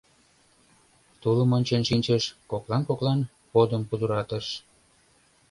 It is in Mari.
Тулым ончен шинчыш, коклан-коклан подым пудыратыш.